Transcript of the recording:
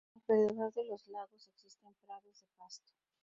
Alrededor de los lagos existen prados de pasto.